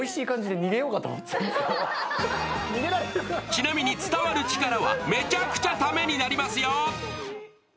ちなみに、「伝わるチカラ」はめちゃくちゃためになりますよ。